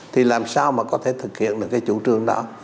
thì làm sao mà có thể thực hiện được cái chủ trương đó